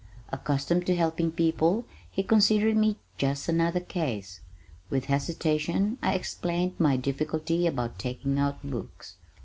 Accustomed to helping people he considered me just another "Case." With hesitation I explained my difficulty about taking out books.